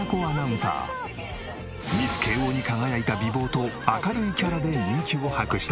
ミス慶應に輝いた美貌と明るいキャラで人気を博した。